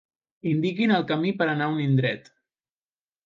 Indiquin el camí per anar a un indret.